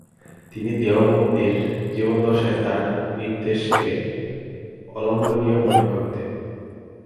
তিনি দেওবন্দির জীবদ্দশায় তার নির্দেশকে অলঙ্ঘনীয় মনে করতেন।